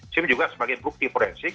sim juga sebagai bukti forensik